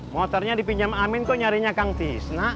motornya dipinjam amin kok nyarinya kang tisna